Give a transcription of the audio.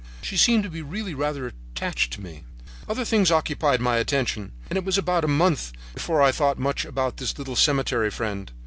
She seemed to be really rather attached to me. "Other things occupied my attention, and it was about a month before I thought much about this little cemetery friend.